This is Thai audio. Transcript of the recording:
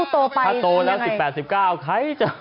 ถ้าโตแล้ว๑๘๑๙ใครจะ